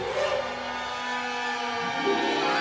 ไม่จริงอะ